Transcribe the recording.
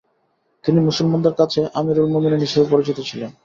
তিনি মুসলমানদের কাছে আমিরুল মোমেনীন হিসেবে পরিচিত ছিলেন।